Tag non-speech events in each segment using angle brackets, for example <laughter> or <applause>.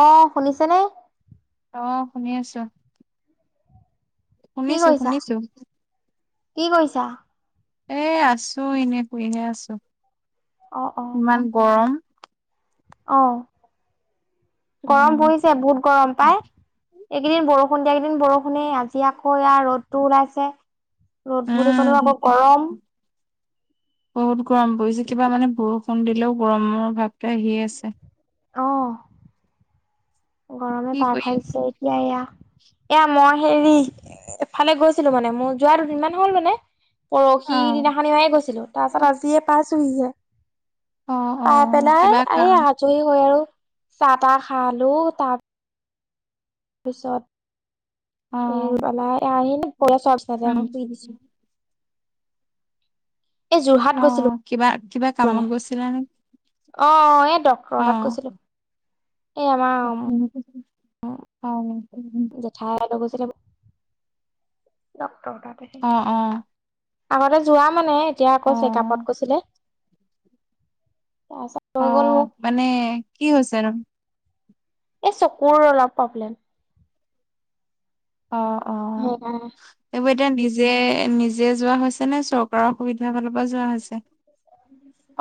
অহ' শুনিছেনে। অ' শুনি আছো। কি শুনিছো, কৰিছা? শুনিছো। কি কৰিছা? এ, আছো এনে শুই হে আছো। ইমান গৰম। অহ' গৰম উম পৰিছে বহুত গৰম পাই। এইকেইদিন বৰষুণ দিয়াকেইদিন বৰষুণেই। আজি আকৌ, এয়া ৰ'দটো ওলাইছে। ৰ'দ বুলি ক'লে উম আকৌ গৰম। বহুত গৰম পৰিছে কিবা মানে বৰষুণ দিলেওঁ, গৰমৰ ভাৱটো আহিয়ে আছে। অহ' গৰমে কি পাক কৰি হৈছে এতিয়া এয়া, এয়া মই। হেৰি এফালে গৈছিলো মানে মোৰ যোৱা দুদিনমান হ'ল মানে। পৰহি আছা? দিনাখনে গৈছিলো তাৰ পাছত আজিয়ে পাইছোহিহে। অ অ অ পাই পেলাই কিবা এই কাম আজি মই আৰু চাহ-তাহ খালো তাৰ তাৰ অ পিছত এই ৰুবালা আহিল <unintelligible> পিছত উম শুই দিছো। এই যোৰহাট গৈছিলো অহ' কিবা, কিবা কামত গৈছিলে নে। অহ' এই ডক্টৰ তাত গৈছিলো। এই অ আমাৰ জেঠাই লৈ গৈছিলে। ডক্টৰৰ তাতে, অ অ আগতে যোৱা মানে। এতিয়া অ আকৌ চেকআপত কৈছিলে। গ'ল অহ' মোক মানে, কি হৈছে নো? এ চকুৰ অলপ প্ৰব্লেম। অহ', অহ' সেইকাৰণে এইবোৰ এতিয়া নিজে, নিজে যোৱা সমস্যা নে চৰকাৰক।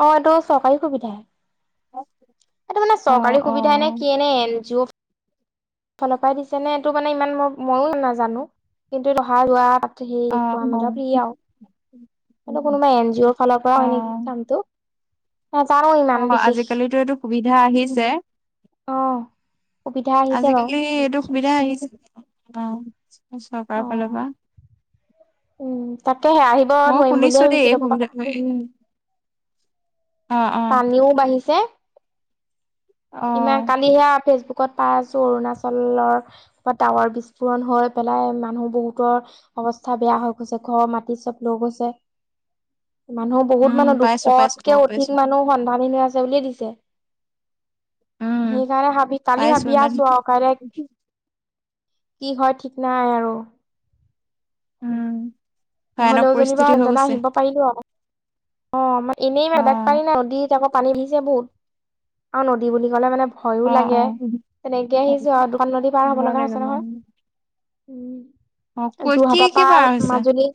অহ' এইটো চৰকাৰী সুবিধাহে। অ', এইটো মানে অ', চৰকাৰী সুবিধা নে। অ', কি নে, এন জি অ'। ফালৰ পৰাই দিছে নে এইটো, মানে ইমান মই মইও নাজানো। কিন্তু অহা যোৱা। সেই কোৱা মেলত অ'। <unintelligible> আৰু। কোনোবা এন জি অ' ফালৰ পৰা হয় নেকি, অ', কামটো। নাজানো অ ইমান বিশেষ আজিকালিতো এইটো সুবিধা আহিছে। অ সুবিধা আহিছে আজিকালি, এইটো বাৰু সুবিধা আহিছে। অহ,। চৰকাৰ অ ফালৰ পৰা। তাকে সে আহিব ময়ো নোৱাৰিম বুলিয়ে শুনিছো দেই ভাবিছো এই তাপা। সুবিধা অ', অ', পানীও বাঢ়িছে। ইমান অ', কালি হেয়া ফেচবুক। ক'ত পাই আছো অৰুণাচলৰ, ক'ত টাৱৰ বিস্ফোৰণ হৈ পেলাই মানুহ বহুতৰ। অৱস্থা বেয়া হৈ গৈছে। ঘৰৰ মাটিত চব লগ হৈছে। <inaudible> মানুহ বহুত উম, মানুহ পাইছো পাইছো দুশতকে গম অধিক পাইছো। মানুহ সন্ধানহীন হৈ আছে বুলি দিছে উম, সেইকাৰণে ভাবি কালি পাইছো ভাবি ইমান আছো আৰু কাইলে। কি হয় ঠিক নাই আৰু। উম। ভয়ানক হলেও যেনিবা পৰিস্থিতি হৈ বাৰ্জাননা গৈছে। আহিব পাৰিলো অ আমাৰ এনেই মাদাক অ', পাৰি নাই। তিয়া পানী ধিছে বহুত আও নদী বুলি ক'লে মানে হয়য়ো অ', লাগে তেনেকে অ', আহিছো আৰু দোকান নদী পাৰ হব ভয় লগা লাগে হৈছে নহয়। ন'। অ ক উম কি যোৰহাটৰ কি পা বাৰ হৈছে মাজুলী।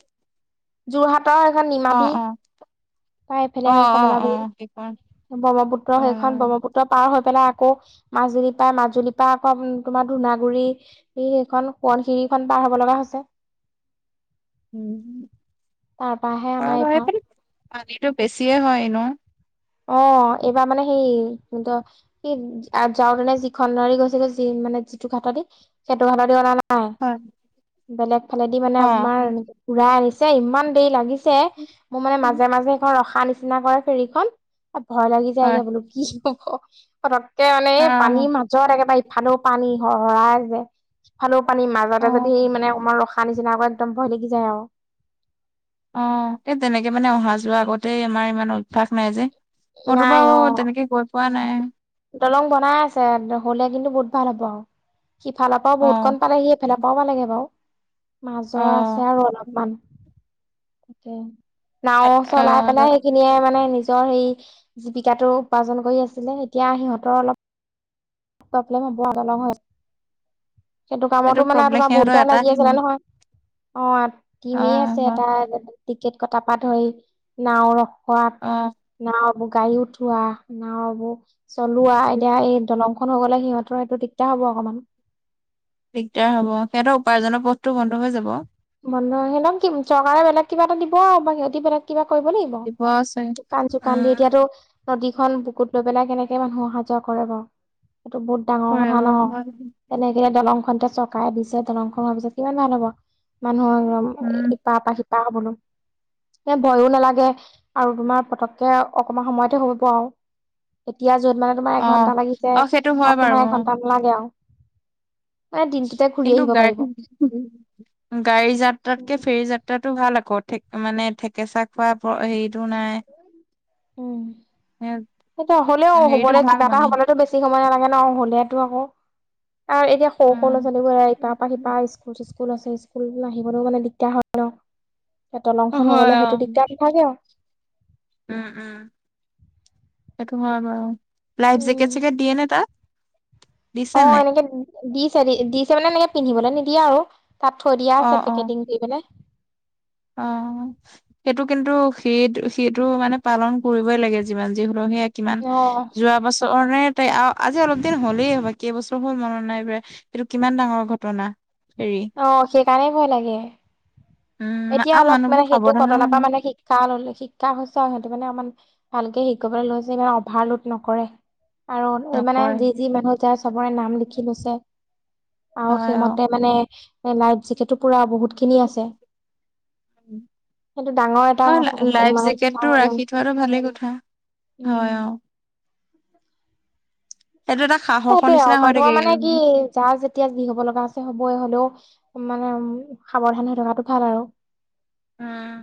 যোৰহাট ততৰ এখন অ নিমাতী অ তাই অ এইফালে অ অ কমলাবাৰী। কি ক ব্ৰহ্মপুত্ৰ সেইখন ব্ৰহ্মপুত্ৰ পাৰ হৈ পেলাই আকৌ। মাজুলী পা, মাজুলীৰ পা আকৌ তোমাৰ ধূনাগুৰি, হেই এখন সোৱণশিৰি খন পাৰ হ'ব লগা হৈছ <inaudible> <inaudible> উ। তাৰপা আমাৰ এইফা। পানীতো বেছিয়ে হয় ন। অ। অ' এইবাৰ মানে হেই কোনত' সেই আ যাওতেনে যিখন নাৰি গৈছেগৈ যি মানে যিটো সেহেতি, সেটো হালদী অনা নাই। হয় বেলেগ ফালেদি অ মানে আমাৰ উৰাই আনিছ ইমান দেৰি লাগিছে মোৰ মানে মাজে মাজে সেইখন ৰখা নিচিনা কৰে ফেৰীখন। ভয় লাগি হয় যায়গে বোলো কি হব পতককে মানে এ আহ পানীৰ মাজত একেবাৰে ইফালেও পানী সহৰা যে ফালেও পানী অ মাজতে যদি মানে অকমান ৰখা নিচিনা কই একদম ভয় লাগি যায় আও। অ তে তেনেকে মানে অহা যোৱা আগতেই আমাৰ ইমান অভ্যাস নাই যে। নাই মোৰোবাও অ তেনেকে গৈ পোৱা নাই। দলং বনাই আছে হ'লে কিন্তু বহুত ভাল হ'ব আও সিফালৰ পৰাও অ বহুত কন পালে এফাল নাপাব লাগে বাৰু অ মাজৰ আছে আৰু অলপমান তাকে। নাও চলাই পেলাই সেইখিনিয়ে মানে নি ইঅ' হেই জীৱিকাটো উপাৰ্জন কৰি আছিলে এতিয়া সিহঁতৰ অলপ কফলং হ'ব আও, দলং হৈ আছ সেইটো কামতো মানে প্ৰব্লেম তোমাৰ সিহঁতৰ ভুলতে এটা লাগি দিম আছিলে নহয়। অ' অ টিমেই আছে এটা এনে টিকেট কটা পা ধই নাওঁ ৰ অ খোৱাত না বব গাড়ী উঠোৱা না ববু চলোৱা এতিয়া এই দলং হৈ গ'লে সিহঁতৰ সেইটো দিগদাৰ হ'ব অকণমান। দিগদাৰ হ'ব। সেহেতৰ উপাৰ্জনৰ পথটো বন্ধ হৈ যাব। বন্ধ হেদম চৰকাৰে বেলেগ কিবা এটা দিব আৰু বা সিহঁতি বেলেগ কিবা কৰিব লাগিব দিব আছে শুকান চুকান দি উম এতিয়াতো নদীখন বুকুত লৈ পেলাই কেনেকে মানুহ অহা যোৱা কৰে বাও? সেইটো বহুত ডাঙৰ কৰিব কথা ন। হয় তেনেকে দলংখনতে চকাই দিছে দলংখন হোৱাৰ পিছত কিমান ভাল হ'ব। মানুহৰ একদম উম ইপাৰ পৰা সিপা হ' বনম এ ভয়ো নালাগে আৰু তোমাৰ পতককে অকমান সময়তে হ'ব পোৱা আও। এতিয়া য'ত মানে তোমাৰ অ এঘন্টা লাগিছে অ সেইটো হয় তাত বাৰু তোমাৰ অ এঘন্টা নলাগে আৰু। মানে দিনটোতে ঘূৰি কিন্তু আহিব গায় পাৰিব <unintelligible> গাড়ী যাত্ৰাতকে ফেৰী যাত্ৰাতটো ভাল আকৌ থে মানে থঠেকেচা উম। এ সেইটো হ'লেও হেৰিটো হ'বলে ভাল কিবা এটা মানে হ'বলেতো বেছি সময় নালাগে ন হলে টো আকৌ। আৰু এতিয়া সৰু সৰু ল' উম ছলীবোৰে ইপাৰ পৰা শিপাৰ স্কুল চিচ স্কুল আছে। স্কুল পা আহিবলৈ মানে দিগদাৰ হয় ন। এয়া দলং খন হ গ'লে হেটো উ, দিগ উ হেটো হয় বাৰু। লাইফ উম, জেকেট চেকেট দিয়ে নে তাত। অ দিছে নাই এনেকে দিছে দি দিছে মানে এনেকে পিন্ধিবলৈ নিদিয়ে আৰু। তাত থৈ দিয়া অ আছে অ পেকেটিং কৰি পেলাই। অ। সেইটো কিন্তু সি সিটো মানে পালন কৰিবই লাগে যিমান যি হ'লক সেই কিমান অ', যোৱা বছৰ নে তাই আজি অলপ দিন হ'লেই হ'ব কেইবছৰ হল মনত নাই বা এইটো কিমান ডাঙৰ ঘটনা। হেৰি আহ সেইকাৰণেই ভয় লাগে। উম মা। এতিয়া অলপ মানে সেইটো ঘটনাৰ পৰা মানে শিক্ষা ল শিক্ষা হৈছে আৰু সিহঁতি মানে অকমান। ভালকে শিকিবলৈ লৈছে ইমান অভাৰলোড নকৰে। আৰু মানে নকৰে যি-যি মানুহ যায় চবৰে নাম লিখি লৈছে। আৰু হয় অ', সেইমতে মানে লাইট জিকেতো পুৰা বহুত খিনি আছে। সেইটো ডাঙৰ এটা <inaudible> অ লাইফ মানে শিক্ষা জেকেটো হ'ল আৰু ৰাখি থোৱাটো ভালে কথা। হয় উম। অ। সেইটো এটা সাহসৰ সেইটোয়ে নিচিনা আৰু হৈ মানুহৰ থাকে মানে উম কি যাৰ যেতিয়া যি হব লগা আছে হবই হলেও। মানে উ সাৱধানে থকাটো ভাল আৰু। উম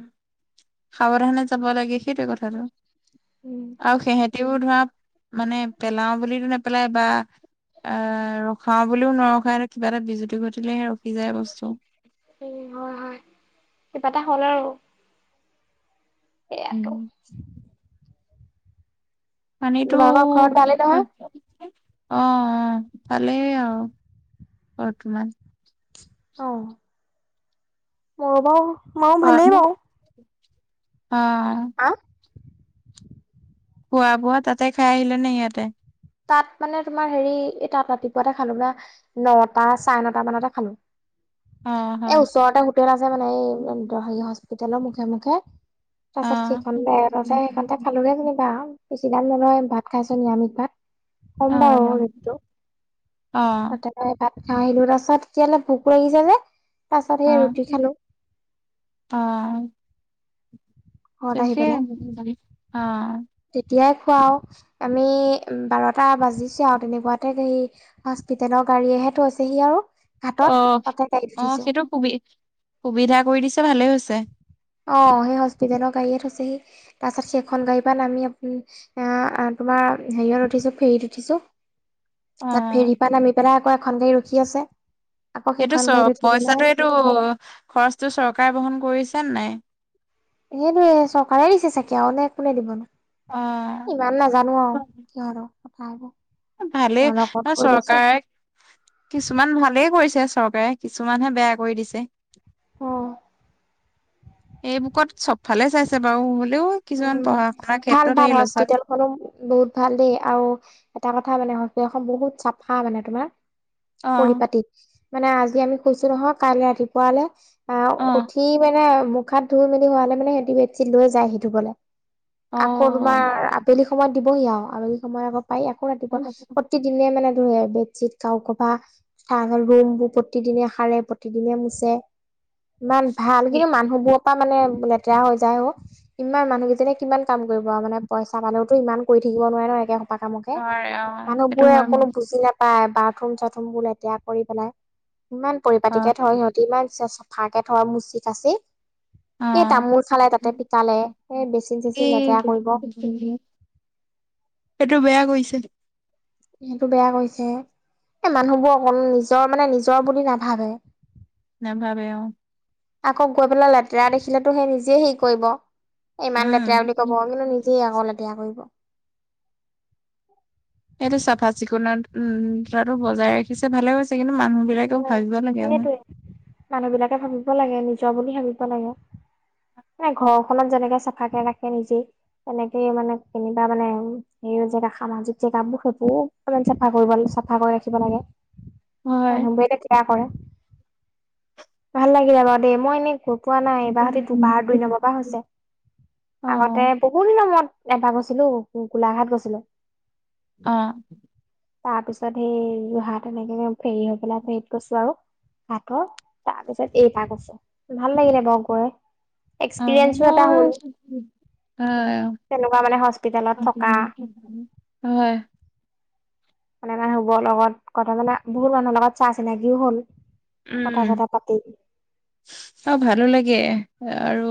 সাৱধানে যাবো লাগে। সেইটোৱে কথাটো উম। আৰু সেহঁতি। তেও ধৰা মানে পেলাও বুলি নেপেলাই বা। আহ ৰখাও বুলিও নৰখাও কিবা এটা বিজুতি ঘটিলেহে ৰখি যায় বস্তু। উ হয় হয় কিবা এটা হ'লে আৰু। এয়াতো। উম। মানে এইটো। তোমালোকৰ ঘৰত ভালেই নহয়? <unintelligible> অ অ ভালেই আৰু বৰ্তমান। ও। মোৰো বাওঁ মইো খোৱা ভালেই বাওঁ। অ। খোৱা বোৱা তাতে খাই আহিলে নে ইয়াতে। তাত মানে তোমাৰ হেৰি এই তাত ৰাতিপুৱাতে খালো না নটা চাৰে নটা মানতে খালো। অ', এ হয়। ওচৰতে হোটেল আছে মানে এই হেৰি হস্পিতেলৰ মুখে-মুখে। তাৰপিছত অ', সিখন তাৰপিছত সেইখনতে খালো যেনিবা বেছি দাম নলয় ভাত খাইছো নিৰামিষ ভাত। কম বাৰু অ', সেইটো। <unintelligible> অ', আহ আহিলো তাৰপাছত এতিয়াহালে ভোক লাগিছে যে। পাছত অ', অ সেই ৰুটি খালো। ঘৰত আহি সেইটোৱেই পেলাই <unintelligible> অ'। তেতিয়াই খুৱাও আমি বাৰটা বাজিচে তেনেকুৱাতে সে। ব্ৰিটেইনৰ গাড়ীয়েহে থৈছে সি আৰু। <inaudible> অ তাতে গাড়ীত অ উঠিছো সেইটো সুবি সুবিধা কৰি দিছে ভালেই হৈছে। অ সেই হস্পিটেলৰ গাড়ীয়ে থৈ হৈছেহি তাৰপাছত সেইখন গাড়ীৰ পৰা আমি আ তোমাৰ। <unintelligible> হেৰিয়াত উঠিছো ফেৰীত উঠিছো। তাত অ'। ফেৰীপৰা নামি পেলাই আকৌ এখন গাড়ী ৰখি আছে। আকৌ এইটো সেইখন চ গাড়ীত উঠি পেলাই পইচাটো এইটো খৰচটো চৰকাৰে বহন কৰিছে নাই। সেইটোৱে চৰকাৰে দিছে চাগে আৰু ন কোনে দিব অ ন। ইমান নাজানো আৰু সিহঁতৰ আৰু কথাবোৰ। <inaudible> ভালেই লগত কৰিছো চৰকাৰে কিছুমান ভালেই কৰিছে। চৰকাৰে কিছুমানহে বেয়া কৰি দিছে। এই বুকত চবফালে চাইছে বাও। উম ভাল ভাল লৈছা হস্পিটাল খনো বহুত ভাল দেই আৰু। এটা কথা মানে হয় এইখন বহুত চাফা মানে তোমাৰ অ পৰিপাটি। মানে আজি আমি শুইছো নহয় কাইলৈ ৰাতিপুৱালৈ অ', উঠি মানে। মুখ, হাত ধুই মেলি হোৱালে সিহঁতি মানে বেডশ্বিট লৈ যায় হি ধুবলৈ অ আকৌ তোমাৰ আবেলি। সময়ত দিবহি আও আৰু সময় আকৌ পায় আকৌ ৰাতিপুৱা প্ৰতিদিনে মানে বেডছিট গাৰু কভাৰ সোপা ৰুম বোৰ প্ৰতিদিনে সাৰে, প্ৰতিদিনে মুছে। <inaudible> ইমান ভাল কিন্তু মানুহবোৰৰ পৰা মানে লেতেৰা হৈ যায় অ'। ইমান মানুহকেইজনে কিমান কাম কৰিব আৰু মানে পইচা পালেওতো ইমান কৰি থাক নোৱাৰে ন' একে সময়। কামকে, নোৱাৰে অ সেইটো মানুহবোৰে হয় অকনো বাৰু। বুজি নাপায় বা। বাথৰুম চাথৰুম বোৰ লেতেৰা কৰি পেলাই, ইমান অ পৰিপাটিকে থৈ সিহঁতি ইমান। ভালকে থৈ মুচি-কাচি, এই তামোল ফেলাই তাতে পিক্। ই। <unintelligible> সেইটো বেয়া কৰিছে।। সেইটো বেয়া কৰিছে। এ মানুহবোৰ অকণো নিজৰ মানে নিজৰ বুলি নাভাবে। নাভাবে অ'। আকৌ গৈ পেলাই লেতেৰা দেখিলেতো সেই নিজে হেৰি কৰিব। ইমান লেতেৰা বুলি উম কব, কিন্তু নিজেই আকৌ লেতেৰা কৰিব। <inaudible> সেইটো চাফা চিকুণত উম ধাৰাটো বজাই ৰাখিছে ভালে হৈছে কিন্তু। মানুহ বিলাকেও উম, ভাবিব লাগে আৰু সেইটোয়ে মানুহ বিলাকে ভাবিব লাগে, নিজৰ বুলি ভাবিব লাগে। মানে ঘৰখনত যেনেকে চাফাকে ৰাখে নিজেই তেনেকে মানে কেনিবা মানে হেৰি। জেগা সামাজিক জেগাবোৰ সেইবোৰ অকমান চাফা কৰিব চাফা কৰি ৰাখিব লাগে। হয় মানুহবোৰে কিয়া কৰে, ভাল লাগিলে বাৰু দেই মই এনে ক। পোৱা নাই এইবাৰ সতি দুবাৰ দুই নম্বৰ পৰা হৈছে, অ আগতে বহুত দিনৰ মূৰত এবাৰ গৈছিলো গো গোলাঘাট গৈছিলোঁ। অঁ। তাৰ পিছত সেই যোৰহাট এনেকে ফেৰী হৈ পেলাই ফেৰিত গৈছো আৰু। কাতৰ তাৰপিছত এইবাৰ গৈছোঁ, ভাল লাগিলে বাৰু গৈ। অ এক্সপিৰিয়েঞ্চো এটা মই হ'ল। হয় তেনেকুৱা মানে হস্পিতালত থকা। হয় <inaudible> মানে মানে শুবৰ লগত কথা মানে বহুত মানুহৰ লগত চা চিনাকিও হল। কথা উম, চথা পাতি চ ভালো লাগে। আৰু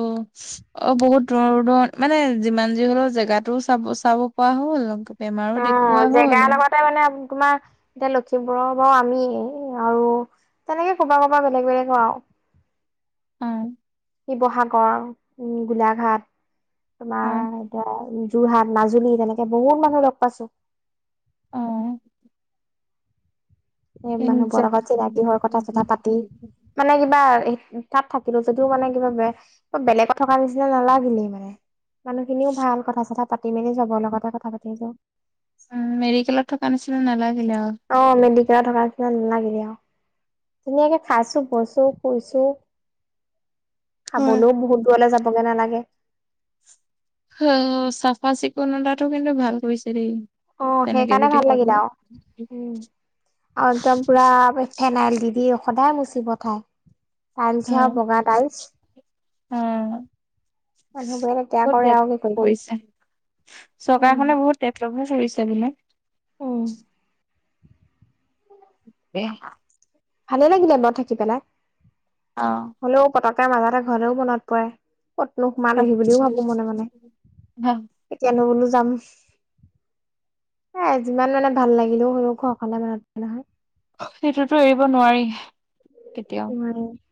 অ' বহুত দূৰ দূৰণ ৰদত মানে যিমান যি হলেও জেগাটোও চাব চাব পৰা হ'ল। বেমাৰো দেখুওৱা অ', হ'ল জেগাৰ লগতে মানে তোমাৰ এতিয়া। লক্ষিমপুৰৰ পৰা বাৰু আমিয়েই আৰু তেনেকে কবাৰ কবাৰ বেলেগ বেলেগৰ আৰু। উম। শিৱসাগৰ উম গোলাঘাট অ তোমাৰ এতিয়া। যোৰহাট মাজুলী তেনেকে বহুত মানুহ লগ পাইছোঁ। অ এ উম মানুহবোৰ লগত চিনাকি হৈ কথা-চথা পাতি মানে কিবা। তাত থাকিলো যদিও মানে কিবা বে বেলেগত থকা নিচিনা নালাগিলেই মানে। মানুহখিনিও ভাল কথা-চথা পাতি মেলি চবৰ লগতে কথা পাতিছো। উম, মেডিকেলত থকা নিছিনা নালাগে। অ', মেডিকেলত থকাৰ নিছিনা নালাগিলে অ'। ধুনীয়াকে খাইছোঁ বৈইছো শুইছো।। <unintelligible> হয় খাবলৈও বহুত দূৰলে যাবগে নালাগে। হুম চাফা চিকুণটা কিন্তু ভাল কৰিছে দেই। অ', তেনেকে সেইকাৰণে যদি ভাল কৰে লাগিলে আৰু আৰু একদম পুৰা ফেনাইল। দি দি সদায় মুচি পঠাই। অ টাইলচ্ হে আও বগা টাইলছ্। অ মানুহ বোৰে লেতেৰা বহুত কৰে আও ডেভলপ কি কৰিবা। কৰিছে উম চৰকাৰখনে বহুত ডেবলভো কৰিছে বোলে। উম <unintelligible> ভালে লাগিলে বাউ থাকি পেলাই, অ হ'লেও পতক তাই মাজতে এটা ঘৰেও মনত পৰে। ক'তনো সোমালহি বুলিও ভাবো মনে মনে, এতিয়া নো বোলো যাম, এ যিমান মানে ভাল লাগিলেও হও ঘৰ খনলে মনত পৰে নহয়। সেইটোতো এৰিব নোৱাৰি। কেতিয়াও <unintelligible>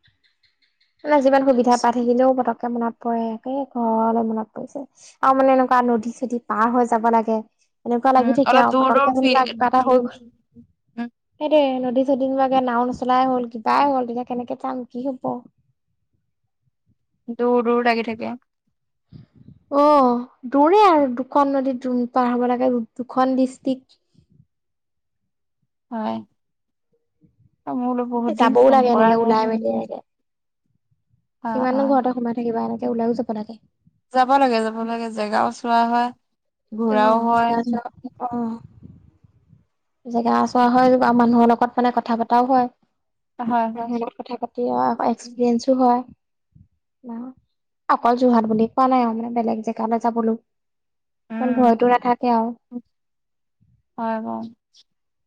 তুমি যিমান সুবিধা পাই থাকিলেও পতকে মনত পৰে, একে ঘৰলৈ মনত পৰিছে, আৰু মানে এনেকুৱা নদী চদী পাৰ হৈ যাব লাগে। এনেকুৱা লাগি উম থাকে অলপ আৰু দূৰ পতককে দূৰ তেনেকুৱা ফি- কিবা এটা হৈ গ'ল, উম, সেইটোয়ে <unintelligible> নাওঁ নচলাই হ'ল কি তাই হল, তেতিয়া কেনেকে চাম কি হব? দূৰ দূৰ লাগি থাকে। অ দোৰে আৰু দুখন নদী পাৰ হব লাগে দুখন ডিষ্ট্ৰিক। <inaudible> হয়, মই বোলো এ বহুত দিন যাবও ফোন লাগে কৰা এনেকে নাই ওলাই মেলি এনেকে অ অ কিমাননো ঘৰতে সোমাই থাকিবা, এনেকে ওলাইও যাব লাগ যাব লাগে, যাব লাগে জেগাও চোৱা হয়, অ ঘূৰাও হয়। জেগা চোৱা অ জেগা চোৱা হয়, আৰু মানুহৰ লগত মানে কথা পতাও হয়। হয় হয় মানুহলগত কথা পাতি আ আকৌ এক্সপিৰিয়েঞ্চো হয়। ন অকল যোৰহাট বুলি কোৱা নাই আৰু মানে বেলেগ জেগাত যাবলৈ ইমান উম ভয়তটো নাথাকে আৰু। হয় <inaudible>